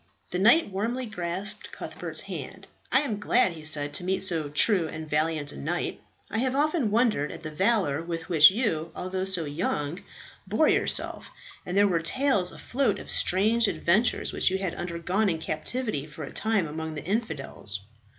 The knight warmly grasped Cuthbert's hand. "I am glad," he said, "to meet so true and valiant a knight. I have often wondered at the valour with which you, although so young, bore yourself; and there were tales afloat of strange adventures which you had undergone in captivity for a time among the infidels."